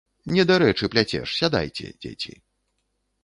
Недарэчы пляцеш, сядайце, дзеці.